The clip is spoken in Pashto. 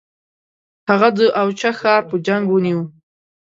هغه د اوچه ښار په جنګ ونیوی.